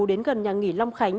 đến gần nhà nghỉ long khánh